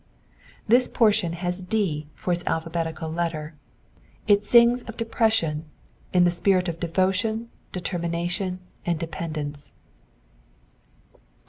This portion has D for its alphabetical letter : it sings of Depression, in the spirit of Devotion, Determination, and Dependence.